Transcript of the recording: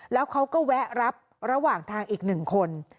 แล้วเขาก็แวะรับระหว่างทางอีก๑คน